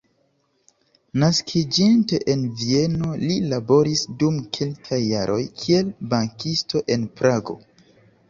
Naskiĝinte en Vieno, li laboris dum kelkaj jaroj kiel bankisto en Prago.